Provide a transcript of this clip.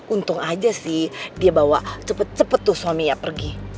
untung aja sih dia bawa cepet cepet tuh suami ya pergi